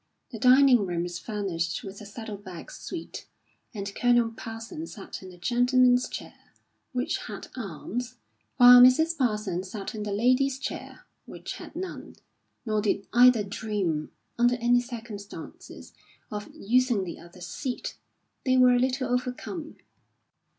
The dining room was furnished with a saddle bag suite; and Colonel Parsons sat in the "gentleman's chair," which had arms, while Mrs. Parsons sat in the "lady's chair," which had none; nor did either dream, under any circumstances, of using the other's seat. They were a little overcome.